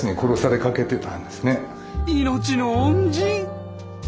命の恩人！